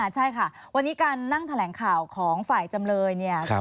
ใช่ค่ะวันนี้การนั่งแถลงข่าวของฝ่ายจำเลยเนี่ย